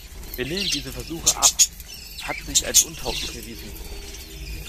Wir lehnen diese Versuche abhat sich als untauglich erwiesen.